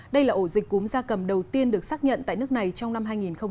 đây là ổ dịch cúm da cầm đầu tiên được xác nhận tại nước này trong năm hai nghìn hai mươi